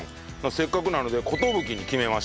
「せっかくなので“寿”に決めました」